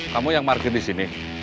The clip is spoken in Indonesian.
kamu yang margin di sini